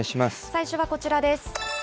最初はこちらです。